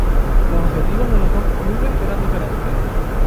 Los objetivos de los dos clubes eran diferentes.